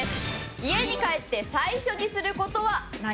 家に帰って最初にする事は何？